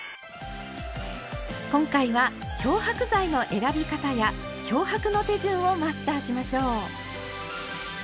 今回は漂白剤の選び方や漂白の手順をマスターしましょう。